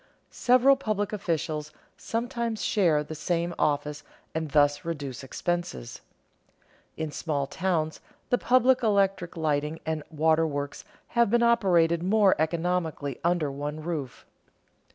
Several public officials sometimes share the same office and thus reduce expenses. In small towns the public electric lighting and waterworks have been operated more economically under one roof.